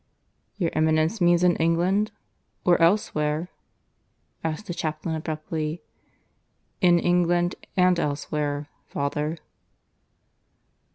"Your Eminence means in England? Or elsewhere?" asked the chaplain abruptly. "In England and elsewhere, father."